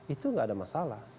itu tidak ada masalah